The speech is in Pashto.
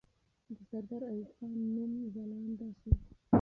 د سردار ایوب خان نوم ځلانده سو.